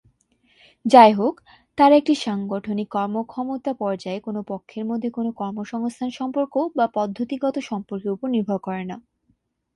যাইহোক, তারা একটি সাংগঠনিক কর্মক্ষমতা পর্যায়ে কোন পক্ষের মধ্যে কোন কর্মসংস্থান সম্পর্ক বা পদ্ধতিগত সম্পর্কের উপর নির্ভর করে না।